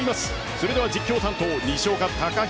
それでは実況担当西岡孝洋